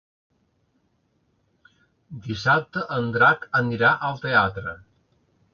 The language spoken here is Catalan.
Dissabte en Drac anirà al teatre.